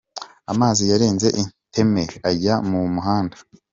Amazi yarenze iteme ajya mu muhanda.